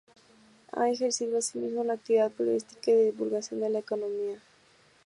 Ha ejercido asimismo la actividad periodística y de divulgación de la economía.